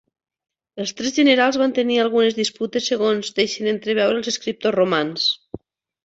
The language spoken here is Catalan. Els tres generals van tenir algunes disputes segons deixen entreveure els escriptors romans.